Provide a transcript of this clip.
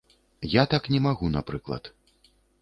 Я так не магу, напрыклад.